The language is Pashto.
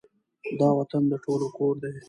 دا وطــن د ټولو کـــــــــــور دی